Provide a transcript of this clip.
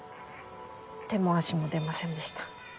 手も足も出ませんでした。